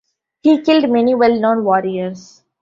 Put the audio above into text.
He killed many well-known warriors.